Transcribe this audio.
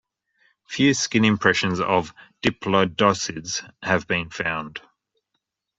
Few skin impressions of diplodocids have been found.